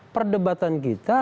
perdebatan kita adalah